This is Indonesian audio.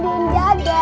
dulu ya kita